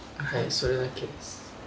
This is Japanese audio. それだけです。